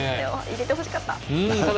入れてほしかった！